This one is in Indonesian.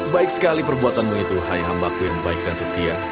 baik sekali perbuatanmu itu hai hambaku yang baik dan setia